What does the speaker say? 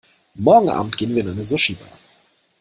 Morgen Abend gehen wir in eine Sushibar.